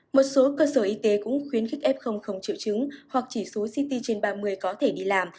một số cơ sở y tế cũng khuyến khích f không triệu chứng hoặc chỉ số ct trên ba mươi có thể đi làm